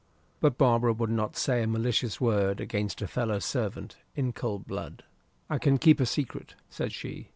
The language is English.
But Barbara would not say a malicious word against a fellow servant in cold blood. "I can keep a secret," said she.